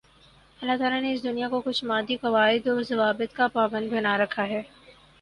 اللہ تعالیٰ نے اس دنیا کو کچھ مادی قواعد و ضوابط کا پابند بنا رکھا ہے